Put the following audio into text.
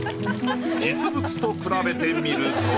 実物と比べてみると。